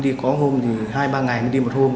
thì có hôm thì hai ba ngày mới đi một hôm